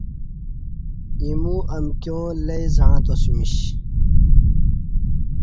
ایمو امکیاں لئی زعݩتہ میش